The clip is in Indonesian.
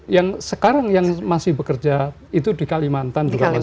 yang sekarang yang masih bekerja itu di kalimantan juga masih